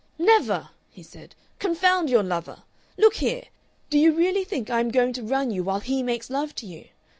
"Never!" he said. "Confound your lover! Look here! Do you really think I am going to run you while he makes love to you?